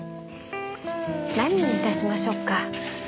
何に致しましょうか？